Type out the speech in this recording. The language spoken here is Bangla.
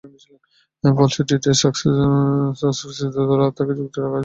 ফলশ্রুতিতে, সাসেক্স দলে আর তাকে চুক্তিতে রাখা হয়নি।